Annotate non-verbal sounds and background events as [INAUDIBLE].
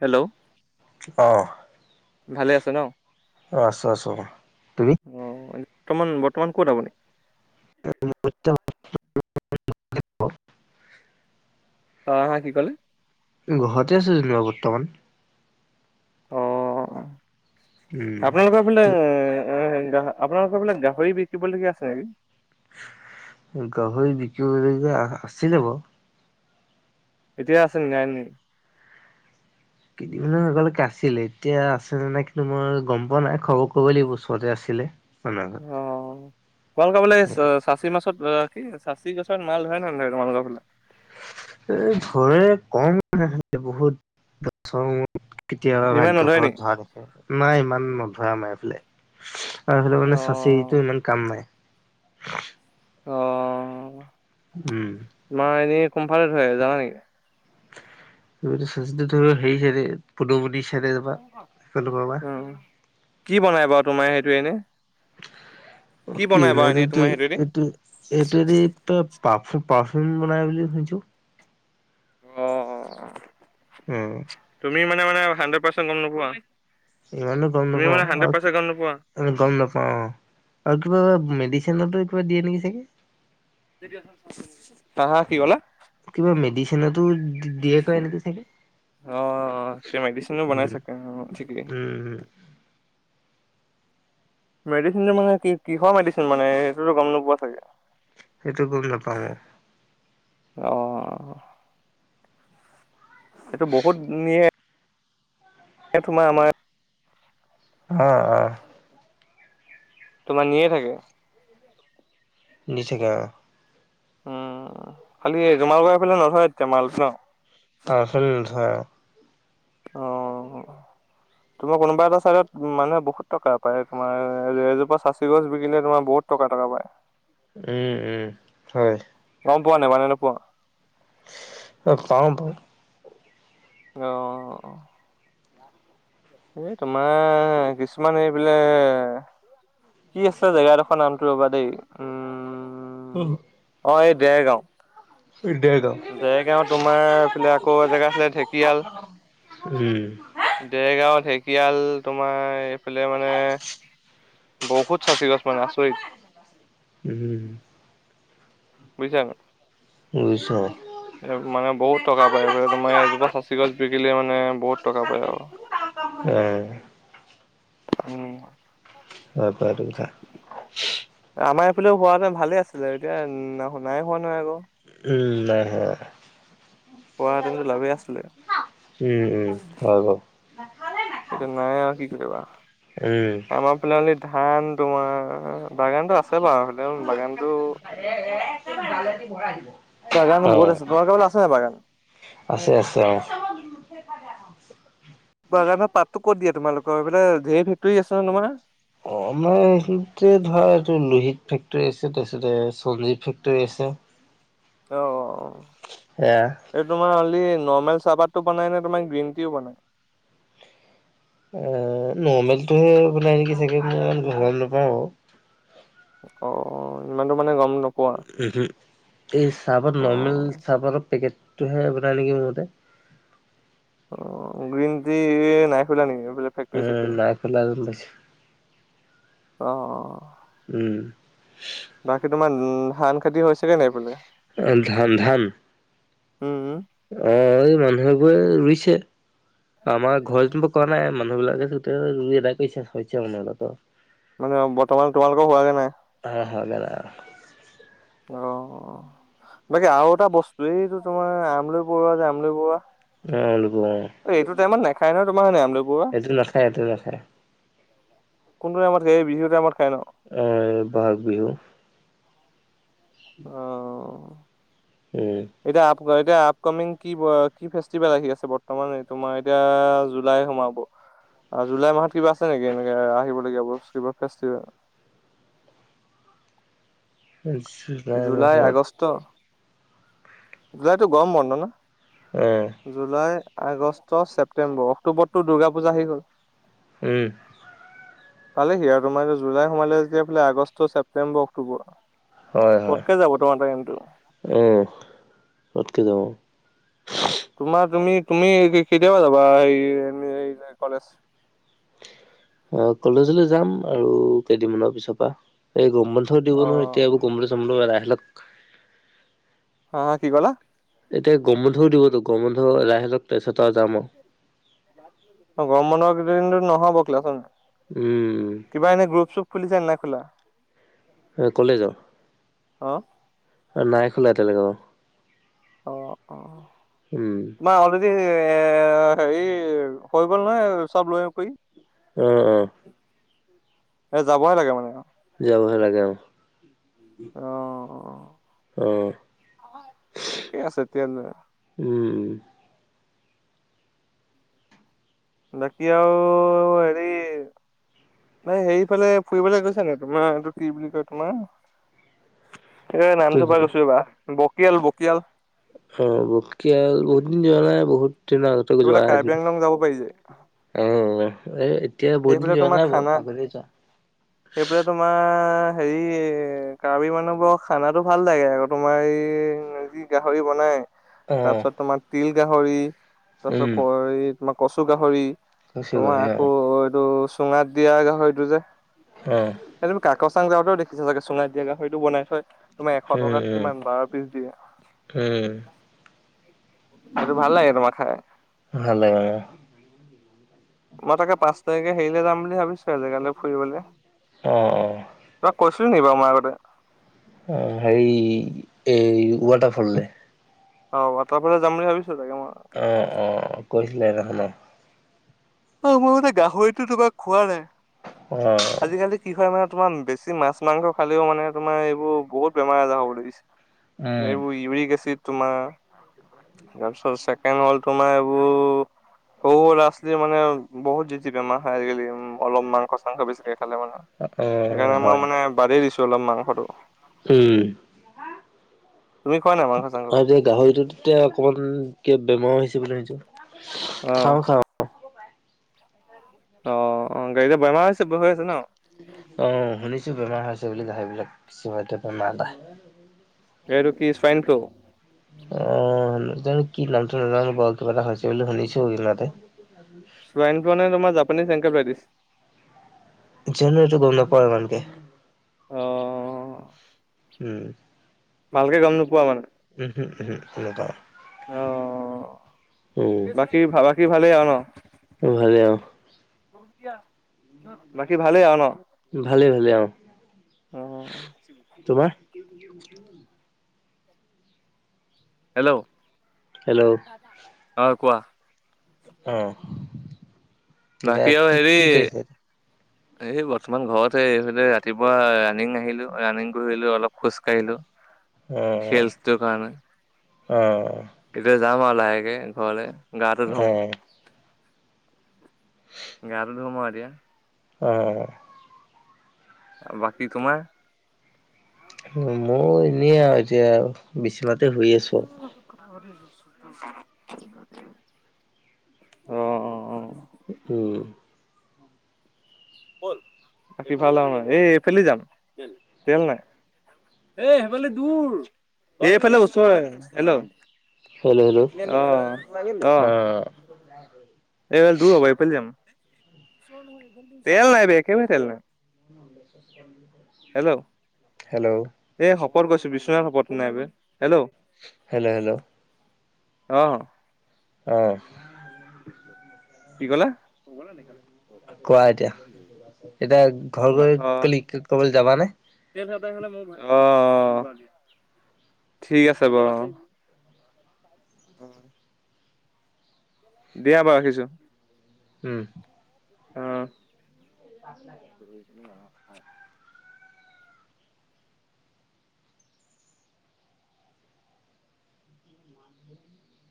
Hello অ'। ভালে আছ ন? আছো আছো। তুমি অ' বৰ্তমান বৰ্তমান ক'ত আপনি? [INAUDIBLE] অ আহ কি ক'লে? গৰতে আছো যেনিবা বৰ্তমান। অ উম। আপোনালোকৰ পিনে ত' আপোনালোকৰ বিলাক গাহৰি বিকিবলগীয়া আছে নেকি? গাহৰি বিকিবলৈকে আছিলে বাৰু। এতিয়া আছে নাই নি? কেইদিনমানৰ আগলৈকে আছিলে, এতিয়া আছে নে নাই কিন্তু মই গম পোৱা নাই খবৰ কৰিবই লাগিব ওচৰতে আছিলে। মানুহৰ অ ঘৰত। [UNINTELLIGIBLE] চাচি মাছত আহ, স চাচি গছৰ [UNINTELLIGIBLE] নহয় তোমালোকৰ ফুলে। এ ঘৰে কম মানে বহুত, কেতিয়াবা ইমান ভাগ্য নধৰে নেকি? ফলত ধৰা দেখে নাই ইমান ন ধৰা নাই এইফালে। আমাৰ এফালে অ মানে চাচিটো ইমান কাম নাই। অ, উম। তোমাৰ এনেই কোনফালে ধৰে জানা নেকি? [UNINTELLIGIBLE] অ সেইফালৰ পৰা কি বনাই বাৰু তোমাৰ সেইটো এনে? কি [UNINTELLIGIBLE] বনাই বাৰু এনেই তোমাৰ এইটো সেইটোৱেদি? এইটোৱে দি প পাৰফম বনাই বুলি শুনিছো। অ, উম। তুলি মানে হুন্দ্ৰেদপৰ্চেন্ত গম নাপোৱা। ইমানো গম নেপাওঁ, নোপোৱা? গম নেপাওঁ আঁ, আৰু কিবা এটা মেদিছি [UNINTELLIGIBLE] কিবা দিয়ে নেকি চাগে? হা হা কি কলা? কিবা মেডিচিনতো দিয়ে ক নেকি চাগে? অ মেডিচিন নো বনাই উম থাকে ঠিকেই। উম মেডিচিনটো মানে কিহৰ মেডিচিন মানে সেইটোতো গম নোপোৱা চাগে। সেইটো গম নেপাই। অ, এইটো বহুত নিয়ে তোমাৰ আমাৰ আহ আহ তোমাৰ নিয়ে থাকে। নি থাকে আৰু। উম খালি জমাল গ এই ফালে নধয় এতিয়া মাল ন। ঘৰ। অ‌ অ। তোমাৰ কোনোবা এটা চাইডত মানুহে বহুত টকা পাই, তোমাৰ এজোপা চাচি গছ বিকিলে তোমাৰ বহুত টকা। টকা পায়। উম উম হয়। গম পোৱা নাই মানে নোপোৱা। অ পাও, পাও। অ। এই তোমাৰ কিছুমান এইবিলাক কি আছে জেগাডোখৰ নামটো ৰ'বা দেই উম। উহ। অঁ এই দেৰগাঁও। জয়গাও তোমাৰ এইফালে আকৌ জেগা আছিলে ঢেকীয়াল উম। দেৰগাঁও ঢেকীয়াল তোমাৰ এইফালে মানে বহুত া চি গছ মানে আচৰিত। উম বুজিছা? ৰুইছ। মানে বহুত টকা পায় বুলে, তোমাৰ এজোপা চাচি গছ বিকিলে মানে বহুত টকা পায় আৰু। এহ। উম। [UNINTELLIGIBLE] ফ হোৱা মানে ভালে আছে যে এতিয়া ন শুনাই হোৱা নহয় আকৌ। উ নাই হোৱা। হোৱাহেঁতেনতো লাভেই আছিলে উম উম হয় ব। এইটো নাই আৰু কি কৰিবা উম, আমাৰ ফাললে ধান তোমাৰ বাগানতটো আছে বাৰু স বাগানতটো আহ আছে নাই বাগান? আছে আছে অ'। [INAUDIBLE] বাগানৰত পাতটোো কত দিয়া তোমালোকৰ এইফালে েৰ ফেক্টৰী আছে ন তোমাৰ? অ' আমাৰতে ধৰা এইটো লোহিত ফেক্টৰী আছে তাৰপিছতে সঞ্জীৱ ফেক্টৰী আছে। ছে। অ' এই তোমাৰ হ'লে নৰ্মেল চাহাবাতটো বনাই নে তোমাৰ গ্ৰীণ টিও বনাই? এ নৰ্মেলটোহে বাই নেকি চাগে মই ইমান গম নাপাওঁ আৰু। অ' ইমানতো মানে গম ন? উ এই চাহাবৰ অ নৰ্মেল চাহাবৰৰ পেকেট টো হে বনাই নেকি মোৰতে। অ' গ্ৰীণ টি নাই খলা নেক? উম নক ল পছো। অ'। উম। বাকী তোমাৰ উম ধান খেতি হৈছে কে নাই বোলে? ধান ধান উম অ' এই মানুহেবোৰে ৰুইছে আমাৰ ঘৰ যেনিবোৰ ক নাই মান মানুহ বিলাকে [UNINTELLIGIBLE] কৰিছে [UNINTELLIGIBLE] মানে বৰ্তমান তোমালোকে হোৱাগে নাই? [UNINTELLIGIBLE] অ' বাকী আৰু এটা বস্তু এইটো তোমাৰ আমলি পৰুৱা যে আমৰলি পৰুৱা। অ ল'ব এইটো টাইমত নাখায় ন তোমাৰে আমল এটো নাখায় এটো নাখায়। কোনটো আমাৰ টাইমত সেই বিহুত টাইমত খাই ন? বহাগ বিহু। অ'। উম। এতিয়া আপ এতিয়া আপকামিং কি কি ফেষ্টিভেল আহি আছে বৰ্তমান তোমাৰ এতিয়া জুলাই সোমাব। আৰু জুলাই মাহত কিবা আছে নেকি এনেকে আহিবলগীয়া কিবা ফেষ্টিভেল? উ [INAUDIBLE] জুলাই মাহত আগষ্ট জুলাইতো গৰম বন্ধ ন অ জুলাই আগষ্ট ছেপ্তেম্বৰ অক্টোবৰটো দুৰ্গা পূজা আহি গ'ল। উম। পালে সি আৰু তোমাৰ জুলাই সুমালে যেতিয়াে আগষ্ট ছেপটেম্বৰ অক্টোবৰ। হয় হয় পটকে যাব তোমাৰ টাইমটো। উম। পতকে যাব। তোমাৰ তুমি তুমি কেতিয়াবা যাবা কলেজ? [INAUDIBLE] অ' কলেজলৈ যাম আৰু কেইদিনমানৰ পিছৰ পৰা এই গৰম বন্ধ দিব অ', নহয় এতিয়া [UNINTELLIGIBLE] হা হা কি ক'লা? এতিয়া গৰম বন্ধও দিবতো গৰম বন্ধু যাই হ লওক তাৰপিছত আৰু যাম আৰু। গৰম বন্ধ কেইদিনত নহব ক্লাছ ন উম। কিবা এনে গ্ৰুপ চুপ খুলিচা নাই খোলা? কলেজৰ? হা? অ' নাই খোলা এ তেনেকে অ'। অ' অ'তোমাৰ অলৰেডি এ হেৰি হৈ গ'ল নহয় চব লৈ কৰি। আহ আহ। এ যাবহে লাগে মানে। যাবহে লাগে অ'। অ' অ ঠিকেই আছে তে। উম বাকি আও হেৰি নাই সেইফালে ফুৰিবলে গৈছা ন তোমাৰ এইটো কি বুলি কয় তোমাৰ এ নামটো পাই কোনফালে গৈছোঁ ৰবা বকিয়াল বকিয়াল। অ' বকিয়াল বহুত দিন যোৱা নাই বহুত দিনৰ আগতে সেইফালে যোৱা কাৰ্বি এদিন। আংলং যাব পাৰি যে অ'। এতিয়া বহুত দিন সেইফালে যোৱা তোমাৰ নাই বাৰু খানা আগতে যোৱা সেইফালে তোমাৰ হেৰি কাৰ্বি মানুহ বৰ খানাটো ভাল লাগে আকৌ তোমাৰ এই যি গাহৰি বনাই। অ তাৰপিছত তোমাৰ তিল গাহৰি তাৰপিছত উম তোমাৰ কচু গাহৰি। কৈছে তোমাৰ গৈহে অ আকৌ এইটো চুঙাত দিয়া গাহৰিটো যে উম। কচং যাওতেও দেখিছোঁ চাগে চুঙাই দিয়া সটো বনাই থয়। তোমাৰ এশ উম টকাত উম কিমান বাৰ পিছ দিয়ে। উম সেইটো ভাল লাগে তোমাৰ খাই। ভাল লাগে মই তাকে পাঁচ তাৰিখে হেৰিলে যাম বুলি বুলি ভাবিছো আজিকালে ফুৰিবলৈ অ অ তাক, কৈছিলো নেকি বাৰু মই আগতে অ' সেৰি এই ৱাটাৰফলৰে অ' াটাৰফালে যাম বুলি ভাবিছো তাকে মই। ভিলে ন ন। অ' মই মতে গাহৰিতো তোমাৰ খোৱা নাই অ আজিকালি কি হয় মানে তোমাৰ বেছি মাছ মাংস খালেও মানে তোমাৰ এইবোৰ বহুত বেমাৰ আজাৰ হ'ব লাগিছে। উম এইব ইউৰি গছি। তোমাৰ, তাৰপিছত চছেকেণ্ড হল তোমাৰ এইবোৰ সৰু ল ছী মানে বহত জিতি বে মা আজিকালি উ অলপ মাংস চংস বেছ ে মানে অ সেইকাৰণে মই হয় মানে বাদেই দিছো অলপ মাংসটো। উম। তুমি খোৱা নাই আৰু মাংস চাংস? এতিয়া গাহৰিটোতিয়া অকমান কিয় বেমাৰ হৈছে বুলিা অ', খাওঁ খাওঁ। অ', অ, গাড়ীতে [UNINTELLIGIBLE] আছে ন? অ', শুনিছো বেমাৰ হৈ আছে বুলি গাহৰি বিলাক [UNINTELLIGIBLE] এইটো কি চোৱাইন ফ্ল'? অ', জানো কি নামটো নাজানো বাৰু, কিবা এটা হৈছে বুলি শুনিছো [UNINTELLIGIBLE] ছোৱাইন ফ্লু নে তোমাৰ জাপানীজ এনকেফেলাইটিছ? জানো এইটো গম নাপাওঁ ইমানকে। অ' উম। ভালকে গম নোপোৱা মানে? ম এনেকুৱা অ'। উম, বাকী বাকী ভালেই আৰু ন? ভালে আৰু বাকী ভালেই আৰু ন? ভালে ভালে আহ। অ' [INAUDIBLE] হেল্ল' হেল্ল' অ' কোৱা। অ, এতিয়া বাকী আৰু কি হেৰি কি কৰিছিলা? এই বৰ্তমান ঘৰতে, এইফালে ৰাতিপুৱা ৰানিং আহিলো, ৰানিং কৰিলো, অলপ খোজ কাঢ়িলো অ', হেলথ্টোৰ কাৰণে। অ', এতিয়া যাম আৰু লাহেকে, ঘৰলৈ, গাটো ধুম অ'। গা টো ধুওঁ মই এতিয়া অ' বাকী তোমাৰ? মোৰ এনেই আৰু এতিয়া, বিছনাতে শুই আছো। অ' উম বাকি ভাল আৰু নে? এই এইফেলি যাম, তেল নাই। এইফালে ওচৰ, হেল্ল' অ', হেল্ল' হেল্ল'। অ। এই দূৰ হ'ব, এইফালি যাম। তেল নাই হে, একেবা তেল নাই। [INAUDIBLE] হেল্ল' হেল্ল' এই শপত কৈছোঁ, বিশ্বনাথ শপত, নাই হে। হেল্ল' হেল্ল, ' হেল্ল' অ' অ'। [INAUDIBLE] কোৱা এতিয়া, এতিয়া ঘৰ গৈ অ [UNINTELLIGIBLE] ক'বালৈ যাবা নে? অ', ঠিক আছে বাৰু অ। অ' দিয়া বাৰু ৰাখিছোঁ। উম অ' [INAUDIBLE] [INAUDIBLE]